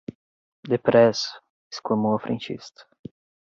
Depressa! Exclamou a frentista